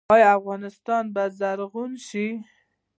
آیا افغانستان به زرغون شي؟